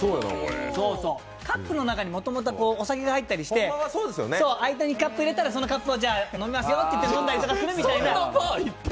カップの中にもともとお酒が入ったりして間にカップ入れたら、そのカップを飲みますよみたいな。